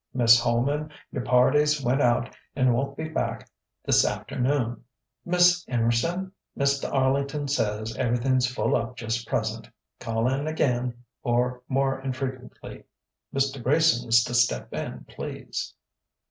"Miss Holman? Y'ur party's went out 'n' won't be back th'safternoon!" "Miss Em'rson? Mista Arlington says ever'thin's full up just'present. Call 'n ag'in!" or more infrequently: "Mista Grayson's t' step in, please...."